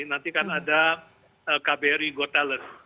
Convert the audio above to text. nanti kan ada kbr egotalis